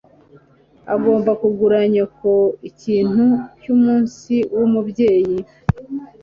Ugomba kugura nyoko ikintu cyumunsi wumubyeyi.